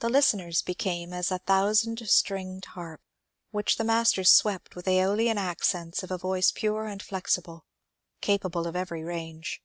The listeners became as a thousand stringed harp, which the mas ter swept with SBolian accents of a voice pure and flexible, capable of every range.